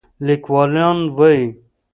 لیکوالان وايي